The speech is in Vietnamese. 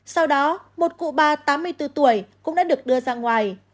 sau đó một cụ bà tám mươi bốn tuổi cũng đã được đưa ra ngoài